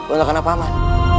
untuk anak paman